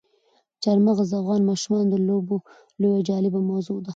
چار مغز د افغان ماشومانو د لوبو یوه جالبه موضوع ده.